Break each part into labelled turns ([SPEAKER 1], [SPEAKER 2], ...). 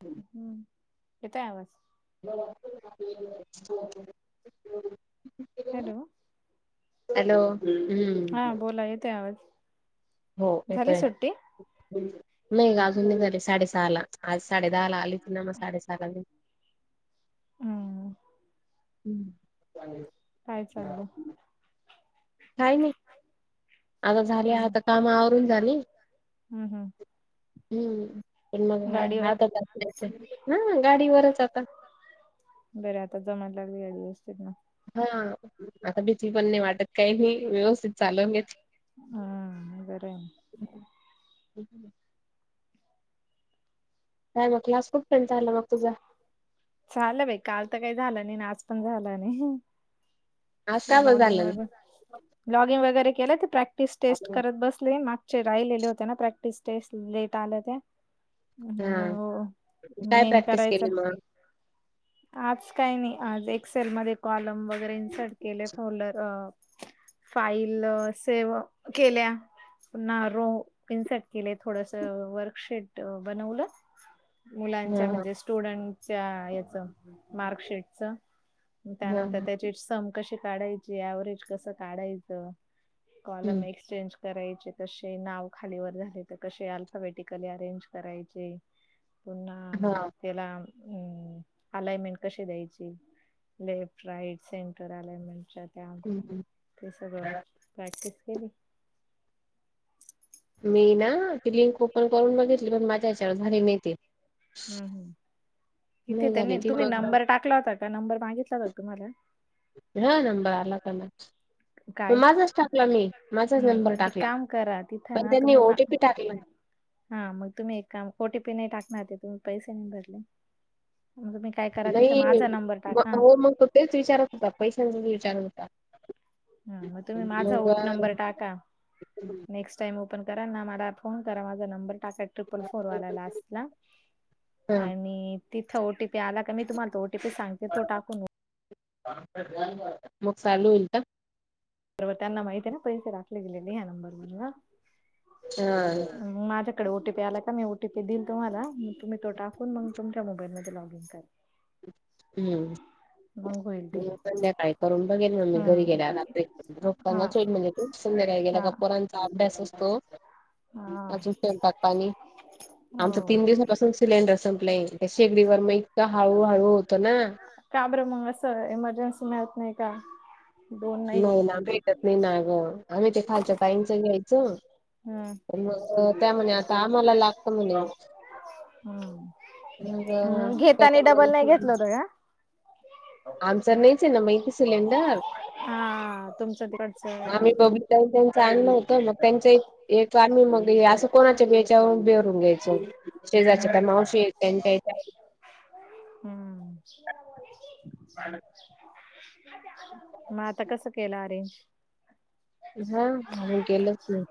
[SPEAKER 1] ह [inaudible]
[SPEAKER 2] हम्म, येतंय आवाज.
[SPEAKER 1] [unintelligible]
[SPEAKER 2] हॅलो.
[SPEAKER 1] हॅलो.
[SPEAKER 2] हां
[SPEAKER 1] हम्म
[SPEAKER 2] बोला येते आवाज.
[SPEAKER 1] हो
[SPEAKER 2] झाली
[SPEAKER 1] येतोय.
[SPEAKER 2] सुट्टी
[SPEAKER 1] नाही ग अजून झाले साडे सहा ला आज साडे दहा ला आली होते ना म साडे सहा ला जाईल.
[SPEAKER 2] हम्म
[SPEAKER 1] हम्म.
[SPEAKER 2] काय चाललं?
[SPEAKER 1] काय नाही आता झाली आता कामा आवरून झाली.
[SPEAKER 2] हम्, हम्,
[SPEAKER 1] हम्म, पण मग
[SPEAKER 2] गाडीवर
[SPEAKER 1] आध [unintelligible] ना गाडीवरच आता
[SPEAKER 2] बरे आता जमायला लागले गाडी व्यवस्थित ना.
[SPEAKER 1] हां, आता भीती पण नाही वाटत काही नाही व्यवस्थित चालवून घेते
[SPEAKER 2] हा, बरंय.
[SPEAKER 1] [unintelligible] काय मग क्लास कुट पर्यंत चालला मग तुझा?
[SPEAKER 2] चालं बाई, काल तर काही झालं नाही आज पण झालं नाही.
[SPEAKER 1] आज का बरं
[SPEAKER 2] लॉगिंग
[SPEAKER 1] झाला नाही?
[SPEAKER 2] वगैरे लॉगिंग वगैरे केलं ते प्रॅक्टिस टेस्ट करत बसले मा चे राहिलेले होते ना प्रॅक्टिस टेस्ट लेट आले त्या
[SPEAKER 1] हा काय
[SPEAKER 2] मेन
[SPEAKER 1] प्रॅक्टिस केली
[SPEAKER 2] करायचं.
[SPEAKER 1] मग
[SPEAKER 2] आज काही नाही एक्सेलमध्ये ध्ये कॉलम वगैरे इन्सर्ट केले फोल्डर फाईल सेव्ह केल्या. पुन्हा रो पिनसेट केले थोडस वर्कशीेट बनवलं. मुलांच्या
[SPEAKER 1] हा
[SPEAKER 2] म्हणजे स्टुडंटच्या याच मार्कशीटच
[SPEAKER 1] हा
[SPEAKER 2] त्यानंतर
[SPEAKER 1] हा
[SPEAKER 2] त्याची सम कशी काढायची व्हरेज कसं काढायचं. कॉलम
[SPEAKER 1] हम्म
[SPEAKER 2] एक्सचेंज करायचे कसे नाव खालीवर झाले तर कसे अल्फाबेटिकली अरेंज करायचे. पुणाम
[SPEAKER 1] हा
[SPEAKER 2] त्याला अ अलाइनमेंट कशी द्यायची लेफ्ट राईट से र आ म्हण त्या
[SPEAKER 1] हम्म
[SPEAKER 2] ते सगळं प्रॅक्टिस केली.
[SPEAKER 1] मी ना ती लिंक ओपन करून बघितली पण माझ्या हच्यावर झाली नाहीती.
[SPEAKER 2] हम्म हम्म इथे तर नाही तुम्ही नंबर टाकला होता का नंबर मागितला का तुम्हाला
[SPEAKER 1] हा नबरला काला
[SPEAKER 2] ह काय
[SPEAKER 1] माझाच
[SPEAKER 2] हम्
[SPEAKER 1] नंबर
[SPEAKER 2] एक
[SPEAKER 1] टाकला
[SPEAKER 2] काम करा तिथं
[SPEAKER 1] पण
[SPEAKER 2] ना
[SPEAKER 1] त्यांनी
[SPEAKER 2] तुम्ही
[SPEAKER 1] ओटीपी टाकला
[SPEAKER 2] [unintelligible] हा मग तुम्ही एक काम टी पी नाही टाकणार ते तुम्ही पैसे नाही भरले मग तुम्ही काय करा तिथे
[SPEAKER 1] नाही
[SPEAKER 2] माझा नंबर टाका
[SPEAKER 1] मग हो मग तो तेच विचारत होता पैशांचा विचारत होता.
[SPEAKER 2] हा मग तुम्ही माझा
[SPEAKER 1] मग
[SPEAKER 2] ओट नंबर टाका नेक्स्ट ामओपन करा ना मला फोन करा माझा नंबर टाकाय. ट्रिपल फोर वाला लास्ट ला
[SPEAKER 1] हा
[SPEAKER 2] आणि तिथं ओी आला का मी तुम्हाला टी सांगते तो टाकून.
[SPEAKER 1] मोग सार विट
[SPEAKER 2] बरोर त्यांना माहिित आहे ना पैसे राखले गेलेले या्या नंबर वन ला
[SPEAKER 1] हा
[SPEAKER 2] माझ्या इकडे ओ टी पी आला काी ओ टी पी दिल तुम्हाला मग तुम् त टाक मग तुमच्या मोबाईल ममध्ये लॉग इन कर.
[SPEAKER 1] हम्म
[SPEAKER 2] ह
[SPEAKER 1] संध्याकाळी करून बघेल मग्ी घरी
[SPEAKER 2] हम्म
[SPEAKER 1] गेल्या र
[SPEAKER 2] हा
[SPEAKER 1] रोखताांना चोट म्हणजे खूप सुंदर आहे गेला
[SPEAKER 2] हा
[SPEAKER 1] कपोरांचा अभ्यास असतो.
[SPEAKER 2] हा
[SPEAKER 1] अजूनलतात पाणी
[SPEAKER 2] हो
[SPEAKER 1] आमचा तीन दिवसापासून सिलेंडर संपलाय त्या शेकडीवर मग इका हळूहळू होत. तर ना
[SPEAKER 2] का बरं मग असं इमर्जन्सी मिळत नाही का? दोन
[SPEAKER 1] नाही
[SPEAKER 2] घेत
[SPEAKER 1] ना भेटत नाही ना गं आम्ही ते खालच्या कााईंच घ्यायचं.
[SPEAKER 2] हम्म
[SPEAKER 1] मग त्या म्हणी आता आम्हाला लागत म्हणे
[SPEAKER 2] हम्म
[SPEAKER 1] मग
[SPEAKER 2] घेताना
[SPEAKER 1] त्याच्यामुळे
[SPEAKER 2] डबल नाही घेतलं होत का
[SPEAKER 1] आमचर नाहीच आहे ना माहिती सिलेंडर
[SPEAKER 2] हा तुमचं तिकडचं अस.
[SPEAKER 1] चांगलं होतं मग त्यांचं एक आम्ही मग असं कोणाच्या बेच्यावरून बेहरून घ्यायचो. शेजारच्या का
[SPEAKER 2] हम्म
[SPEAKER 1] मावशी येत त्यांच्या येतात.
[SPEAKER 2] हम्म
[SPEAKER 1] ह
[SPEAKER 2] मग आता कसं केलं अरेंज?
[SPEAKER 1] हा अजून गेलंच नाही.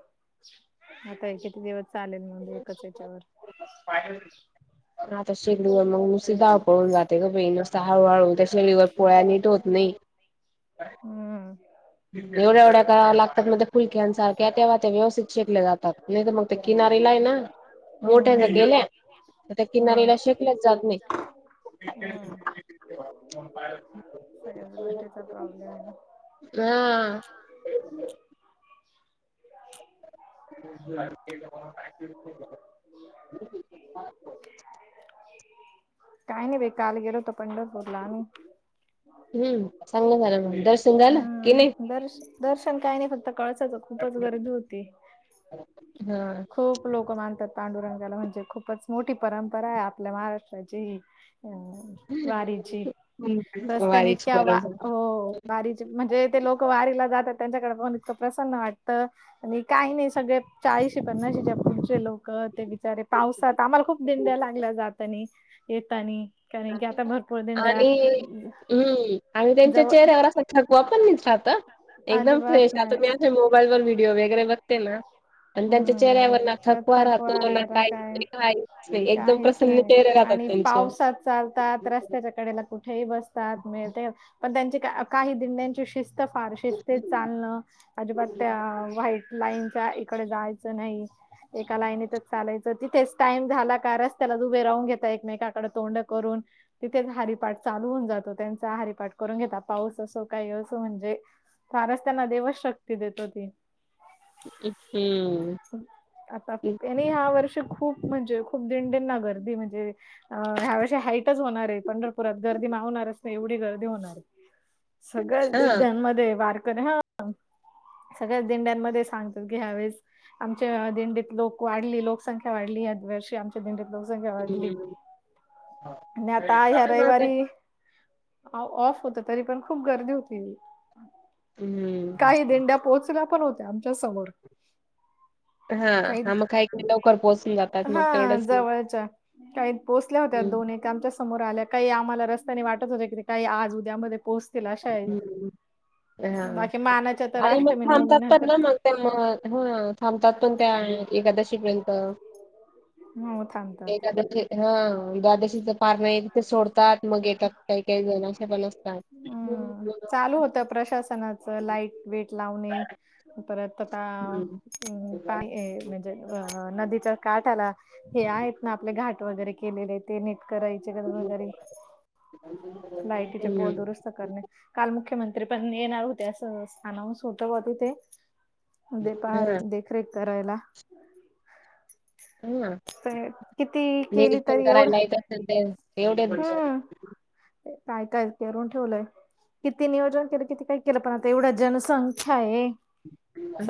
[SPEAKER 2] आता किती दिवस चालेल म्हणजे एकच याच्यावर?
[SPEAKER 1] आता शेकडवर मग उसधाव पळून जाते ग ब नुसत हळूहळू चळीवर पोळ्या नीट होत नाही.
[SPEAKER 2] हम्म
[SPEAKER 1] एवढ्या एवढ्या का लागतात मध्ये फुलक्यांसारख्या तेव्हा ते व्यवस्थित शेकले जातात. नाही तर मग ते किनारीला आहे ना मोठ्या
[SPEAKER 2] हम्म हम्म
[SPEAKER 1] गेल्या तर त्या
[SPEAKER 2] हम्म
[SPEAKER 1] किनारीला शेकल्याच जात नाहीत.
[SPEAKER 2] हम्म सगळ्याच
[SPEAKER 1] [unintelligible]
[SPEAKER 2] [unintelligible]
[SPEAKER 1] हा [inaudible]
[SPEAKER 2] काही नाही बाई काल गेलो होतो पंढरपूरला आम्ही.
[SPEAKER 1] हम् चांगलं झालं मग दर्शन झालं की नाही
[SPEAKER 2] हम्म, दर्श दर्शन काही नाही फक्त कळसाचं खूपच गर्दी होती.
[SPEAKER 1] हा
[SPEAKER 2] खूप लोकं मानतात पांडुरंगाला म्हणजे खूपच मोठी परंपरा आहे आपल्या महाराष्ट्राची. अ वारीची रस्त्याने
[SPEAKER 1] वारीच
[SPEAKER 2] इतक्या वा
[SPEAKER 1] बरोबर
[SPEAKER 2] हो वारीचे म्हणजे ते लोक वारीला जातात त्यांच्याकडे पाहून इतकं प्रसन्न वाटतं. आणि काही नाही सगळे चाळीशे पन्नाशीेच्या पुढचे लोक ते बिचारे पावस त्यात आम्हाला खूप दिंड्या लागल्या जातानी येेतानी
[SPEAKER 1] आणि हम्म आणि त्यांच्या
[SPEAKER 2] जवळ
[SPEAKER 1] चेहऱ्यावर अस थकवा पण नाही राहत एकदम फ्रेश
[SPEAKER 2] अजिबात
[SPEAKER 1] राहतं
[SPEAKER 2] नाही
[SPEAKER 1] आता मी असे मोबाईल वर व्हिडिओ वगैरे बघते ना आणि त्यांच्या चेहऱ्यावर ना
[SPEAKER 2] हम्म
[SPEAKER 1] थकवा राहतो ना
[SPEAKER 2] आहेरा
[SPEAKER 1] काही
[SPEAKER 2] काय
[SPEAKER 1] काहीच नाही एकदम
[SPEAKER 2] काहीच
[SPEAKER 1] प्रसन्न
[SPEAKER 2] नाही
[SPEAKER 1] चेहरे राहतात
[SPEAKER 2] आणि
[SPEAKER 1] त्यांचे.
[SPEAKER 2] पावसात चालतात, रस्त्याच्या कडेला कुठेही बसतात, मिळते पण त्यांची काही दिंड्यांची शिस्त फार शिस्तीत चालण अजिबात त्या व्हाईट लाईनच्या इकडं जायचं नाही एका लाईनतच चालायचं तिथेच टाइम झाला का रस्त्याला उभे राहून घेतात एकमेकाकडे तोंड करून तिथेच हरिपाठ चालू होऊन जातो त्यांचा हरिपाठ करून घेता. पाऊस असो, काही असो म्हणजे फारच त्यांना देव शक्ती देतो ती.
[SPEAKER 1] अ हम्.
[SPEAKER 2] आता आणि ह्या वर्षी खूप म्हणजे खूप दिंडीना गर्दी म्हणजे अ ह्यावर्षी हाईटच होणार आहे पंढरपुरात गर्दी मावणारच नाही एवढी गर्दी होणार आहे. सगळ्याच
[SPEAKER 1] हां.
[SPEAKER 2] दिंड्यामध्ये वारकरी हा सगळ्याच दिंड्यांमध्ये सांगतात की ह्या वेळेस आमच्या दिंडीत लोक वाढली. लोकसंख्या वाढली. यावर्षी आमच्या दिंडीत लोकसंख्या वाढली.
[SPEAKER 1] हम्म.
[SPEAKER 2] आणि आता ह्या रविवारी ऑफ होत, तरी पण खूप गर्दी होती.
[SPEAKER 1] हम्म.
[SPEAKER 2] काही दिंड्या पोहोचल्या पण होत्या आमच्या समोर.
[SPEAKER 1] हा. हा मग काही काही लवकर पोहोचून जातात मग
[SPEAKER 2] हा
[SPEAKER 1] तेवढंच
[SPEAKER 2] जवळच्या काही पोचल्या होत्या
[SPEAKER 1] हं,
[SPEAKER 2] दोन एक आमच्या समोर आल्या काही आम्हाला रस्त्याने वाटत होते की काही आज उद्यामध्ये पोहच
[SPEAKER 1] हम्म,
[SPEAKER 2] बाकी मानाच्या तर
[SPEAKER 1] हा आणि मग
[SPEAKER 2] अष्टमी नवमी
[SPEAKER 1] थांबतात तर
[SPEAKER 2] नंतर
[SPEAKER 1] ना मग. मग हा थांबतात पण त्या एकादशीपर्यंत. अ
[SPEAKER 2] हो थांबतात
[SPEAKER 1] एकादशी हा द्वादशीचे पारणं तिथे सोडतात मग येतात काही काही जण असे पण असतात. [unintelligible]
[SPEAKER 2] प्रशासनाच लाईट विट लावणे परत तथा अ काय ये म्हणजे अ नदीचा काठ आला हे आहेत ना आपले घाट वगैरे केलेले आहे ते नीट करायच चिकट
[SPEAKER 1] हं.
[SPEAKER 2] म्हातारी लाइटीचे पोल
[SPEAKER 1] हम्म
[SPEAKER 2] दुरुस्त करणे. काल मुख्यमंत्री पण येणार होते अस अनौन्स होत वा तिथे. दे पहारे
[SPEAKER 1] हा
[SPEAKER 2] देखरेख करायला.
[SPEAKER 1] हा
[SPEAKER 2] होय किती केली
[SPEAKER 1] निरीक्षण
[SPEAKER 2] तरी एवढं.
[SPEAKER 1] [inaudible]
[SPEAKER 2] हा काय काय करून ठेवलंय. किती नियोजन केलं किती काय केलं पण आता एवढं जनसंख्या आहे.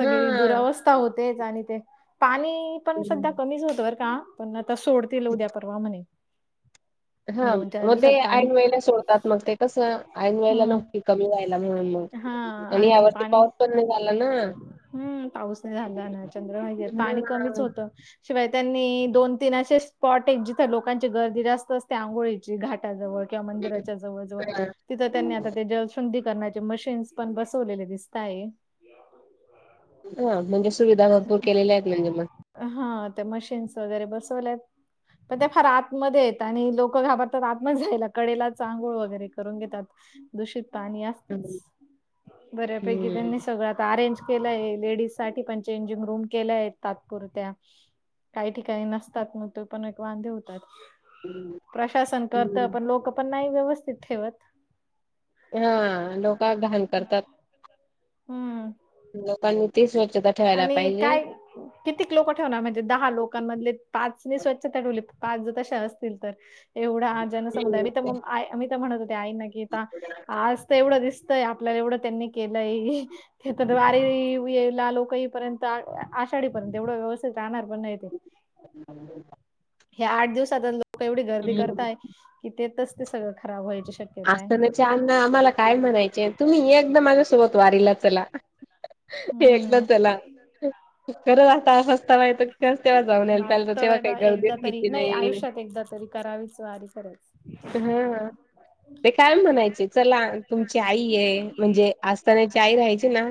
[SPEAKER 1] हा
[SPEAKER 2] दुरावस्था होतेच आणि ते पाणी. पण सध्या कमीच होतं बरं का पण आता सोडतील उद्या परवा म्हणे.
[SPEAKER 1] हा
[SPEAKER 2] दोन चार
[SPEAKER 1] मग ते
[SPEAKER 2] दिवसात पाणी
[SPEAKER 1] ऐन वेळेला सोडतात मग ते कसं ऐन वेळेला
[SPEAKER 2] हम्म
[SPEAKER 1] नव्हती कमी व्हायला म्हणून मग.
[SPEAKER 2] हा
[SPEAKER 1] आणि या वर्षी पाऊस पण नाही झाला ना.
[SPEAKER 2] हम् पाऊस नाही झाला ना चंद्रभागेत पाणी कमीच होतं. शिवाय त्यांनी दोन तीन असे स्पॉट एक जिथे लोकांची गर्दी जास्त असते आंघोळीची घाटाजवळ. किंवा मंदिराच्या जवळ जवळ.
[SPEAKER 1] हा
[SPEAKER 2] तिथं त्यांनी आता ते जलशुद्धी करण्याचे मशीन्स पण बसवलेले दिसत आहेत.
[SPEAKER 1] ह म्हणजे सुविधा भरपूर केलेल्या आहेत म्हणजे मग.
[SPEAKER 2] हा ते मशीन्स वगैरे बसवल्यात. पण त्या फार आतमध्ये आहेत आणि लोकं घाबरतात आतमध्ये जायला कडेलाच अंघोळ वगैरे करून घेतात. दूषित पाणी असत.
[SPEAKER 1] हम्म
[SPEAKER 2] बऱ्यापैकी त्यांनी सगळं आता अरेंज केलंय लेडीज साठी पण. चेंजिंग रूम केल्या आहेत तात्पुरत्या. काही ठिकाणी नसतात मग ते पण एक वांदे होतात.
[SPEAKER 1] हम्म
[SPEAKER 2] प्रशासन करतं
[SPEAKER 1] हम्म.
[SPEAKER 2] पण लोक पण नाही व्यवस्थित ठेवत.
[SPEAKER 1] हा लोक घाण करतात.
[SPEAKER 2] हम्म.
[SPEAKER 1] लोकांनी ती स्वच्छता. ठेवायला
[SPEAKER 2] आणि
[SPEAKER 1] पाहिजे
[SPEAKER 2] काय. कितीक लोक ठेवणार म्हणजे दहा लोकांमधले पाच नी स्वच्छता ठेवली पाच जर तशी असतील तर. एवढा जनसमुदाय मी तर म आई मी तर म्हणत होते आईना की आता. आज तर एवढं दिसतंय आपल्याला एवढं त्यांनी केलंय ते वारी येला लोक. येईपर्यंत आषाढीपर्यंत एवढं व्यवस्थित राहणार पण नाही ते.
[SPEAKER 1] [inaudible]
[SPEAKER 2] ह्या आठ दिवसात लोक एवढी गर्दी
[SPEAKER 1] हम्म
[SPEAKER 2] करताय की त्यातच ते सगळं खराब व्हायची शक्य
[SPEAKER 1] असतानाचे अण्णा आम्हाला काय म्हणायचे तुम्ही एकदा माझ्यासोबत वारीला चला. एकदा
[SPEAKER 2] हम्म.
[SPEAKER 1] चला. खरंच आता असं असताना तेच तेव्हा जाऊन यायला पाहिजेल होतं तेव्हा
[SPEAKER 2] वाटतं
[SPEAKER 1] काही
[SPEAKER 2] बा
[SPEAKER 1] गर्दीच
[SPEAKER 2] एकदा
[SPEAKER 1] आहे
[SPEAKER 2] तरी
[SPEAKER 1] की नाही.
[SPEAKER 2] आयुष्यात एकदा तरी करावीच वारी खरंच.
[SPEAKER 1] हा अ. ते काय म्हणायचे चला तुमची आई आहे म्हणजे असतानाची आई राहायची ना.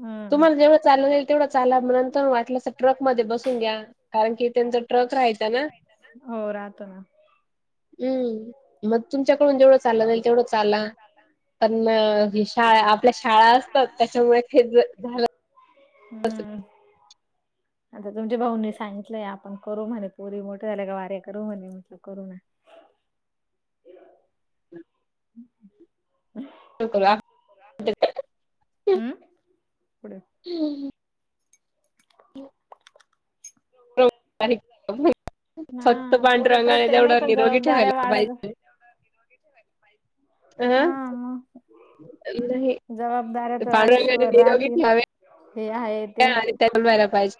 [SPEAKER 2] हम्म
[SPEAKER 1] तुम्हाला जेवढं चालायला येईल तेवढं चाला मग नंतर वाटलंस तर ट्रक मध्ये बसून घ्या. कारण कि त्यांचा ट्रक रहायचा ना.
[SPEAKER 2] हो राहतो ना
[SPEAKER 1] हम्म मग तुमच्या. तुमच्याकडून जेवढं चालायला येईल तेवढं चाला पण ही शाळा. आपल्या शाळा असतात त्याच्यामुळे ते झाल
[SPEAKER 2] हम्म आता तुमच्या भाऊनी सांगितलंय आप पण करू म्हणे पुरी मोठे झाल्या का वाऱ्या करू म्हणे म करू ना.
[SPEAKER 1] एक लाख टक्के.
[SPEAKER 2] हम्म पुढे.
[SPEAKER 1] हम हम. वारी होईल फक्त
[SPEAKER 2] हा पोरे
[SPEAKER 1] पांडूरंगाने
[SPEAKER 2] प्रत्येक नाही
[SPEAKER 1] तेवढा
[SPEAKER 2] पण
[SPEAKER 1] निरोगी
[SPEAKER 2] जबाबदाऱ्या
[SPEAKER 1] ठेवायला
[SPEAKER 2] वाढत
[SPEAKER 1] पाहिजे. अ
[SPEAKER 2] हा मग.
[SPEAKER 1] नाही.
[SPEAKER 2] जबाबदाऱ्या तर
[SPEAKER 1] पांडुरंगाने
[SPEAKER 2] आयुष्यभर
[SPEAKER 1] निरोगी
[SPEAKER 2] राहतील
[SPEAKER 1] ठेवावे
[SPEAKER 2] हे आहेत.
[SPEAKER 1] त्या बंद व्हायला पाहिजे.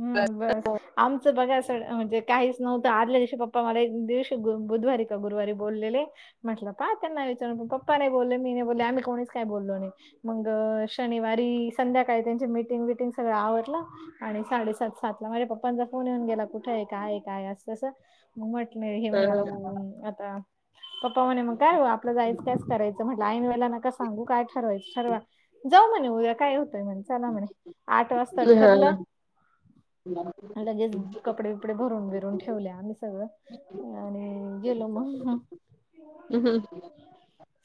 [SPEAKER 2] हम्म बस आमचं बघा असं म्हणजे काहीच नव्हतं आदल्या दिवशी पप्पा मला दिवशी बुधवारी का गुरुवारी बोललेले म्हटलं पहा त्यांना विचारून पप्पा नाही बोलले मी नाही बोलले आम्ही कोणीच काही बोललो नाही. मंग शनिवारी संध्याकाळी त्यांची मिटिंग विटिंग सगळं आवरलं आणि साडेसात सात ला माझ्या पप्पांचा फोन येऊन गेला कुठ आहे काय काय असं मग म्हटलं हे
[SPEAKER 1] हा
[SPEAKER 2] म्हण मला ऊन आता पप्पा म्हणे मग काय आपलं जायचं कायच करायचं म्हटलं ऐन वेळेला नका सांगू काय ठरवायचं ठरवा. जाऊ म्हणे उद्या काय होतोय म्हणे चला म्हणे आठ वाजता
[SPEAKER 1] हा
[SPEAKER 2] ठरलं लगेच कपडे बिपडे भरून भिरून ठेवले आम्ही सगळं आणि गेलो मग.
[SPEAKER 1] [inaudible]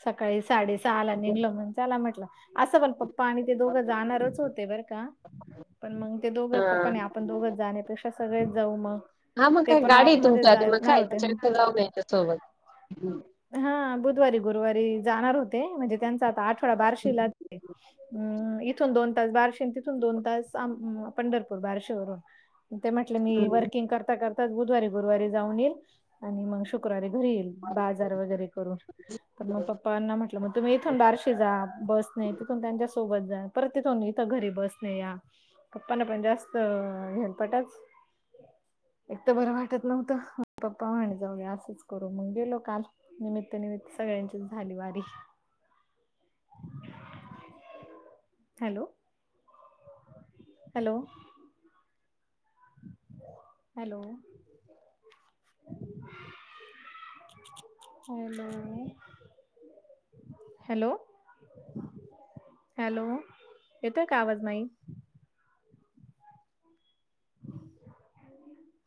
[SPEAKER 2] सकाळी साडे सहाला निघलो म्हण चला म्हटलं. असं पण पप्पा आणि ते दोघं जाणारच होते बरं का पण मग ते दोघंच पप्पाने आपण दोघच जाण्यापेक्षा सगळेच जाऊ मग.
[SPEAKER 1] हा मग
[SPEAKER 2] ते
[SPEAKER 1] काय
[SPEAKER 2] पण
[SPEAKER 1] गाडी
[SPEAKER 2] ऑफ
[SPEAKER 1] आहे
[SPEAKER 2] मध्ये
[SPEAKER 1] तुमच्या आधी मग
[SPEAKER 2] जाणार
[SPEAKER 1] काय
[SPEAKER 2] होते
[SPEAKER 1] सगळे जाऊन यायच्या सोबत.
[SPEAKER 2] हा बुधवारी गुरुवारी जाणार होते म्हणजे त्यांचा आता आठवडा बार्शीला म् इथून दोन तास बारशी तिथून दोन तास आम पंढरपूर बारशीवरून ते म्हटले मी वर्किंग करता कर बुधवारी गुरुवारी जाऊन येईल आणि मग शुक्रवारी घरी येईल बाजार वगैरे करून. तर मग पप्पांना म्हटलं मग तुम्ही इथून बारशी जा बस नाही तिथून त्यांच्या सोबत जा परत तिथून इथ घरी बसण या. पप्पाना पण जास्त हेलपाटच. एक तर बरं वाटत नव्हतं पप्पा म्हण जाऊया असंच करू मग गेलो काल. निमित्त निमित्त सगळ्यांचीच झाली वारी. Hello hello hello hello hello hello येतोय काय आवाज माई?